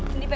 em đi về ạ